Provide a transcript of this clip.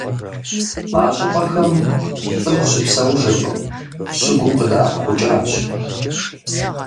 А щӏыпӏэхэм цӏыху щыпсэужыркъым, щыгум къыдэӏэпхъукӏащ.